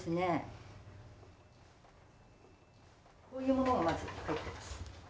こういうものがまず入ってます。